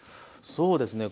そうですね